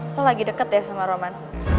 aku lagi deket ya sama roman